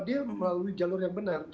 dia melalui jalur yang benar